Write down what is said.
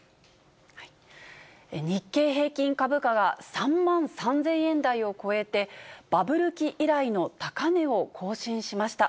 日経平均株価が３万３０００円台を超えて、バブル期以来の高値を更新しました。